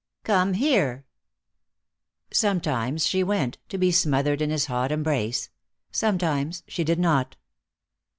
"Come here." Sometimes she went, to be smothered in his hot embrace; sometimes she did not.